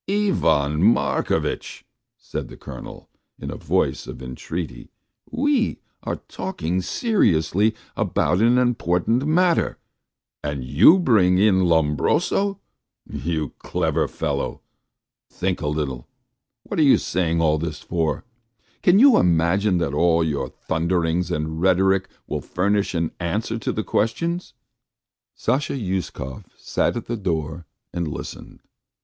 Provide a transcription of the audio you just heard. "Ivan Markovitch," said the Colonel, in a voice of entreaty, "we are talking seriously about an important matter, and you bring in Lombroso, you clever fellow. Think a little, what are you saying all this for? Can you imagine that all your thunderings and rhetoric will furnish an answer to the question?" Sasha Uskov sat at the door and listened.